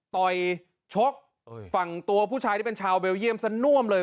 ต่อยชกฝั่งตัวผู้ชายที่เป็นชาวเบลเยี่ยมซะน่วมเลย